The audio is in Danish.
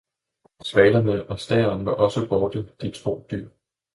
Svalerne og stæren var også borte, de tro dyr.